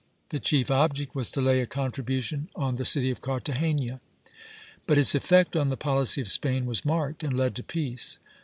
The chief object was to lay a contribution on the city of Cartagena; but its effect on the policy of Spain was marked, and led to peace.